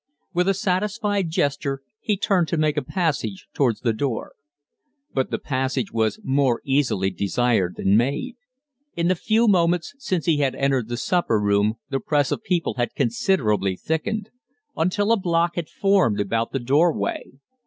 With a satisfied gesture he turned to make a passage towards the door. But the passage was more easily desired than made. In the few moments since he had entered the supper room the press of people had considerably thickened until a block had formed about the door way.